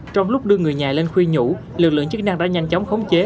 trong lúc đưa người nhà lên khuya nhũ lực lượng chức năng đã nhanh chóng khống chế